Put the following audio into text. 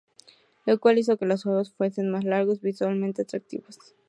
Lo cual hizo que los juegos fuesen más largos y visualmente atractivos.